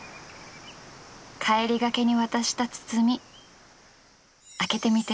帰りがけに渡した包開けてみて。